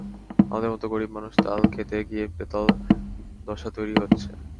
আমাদের মতো গরিব মানুষ তাল খেতে গিয়ে বেতাল দশা তৈরি হচ্ছে।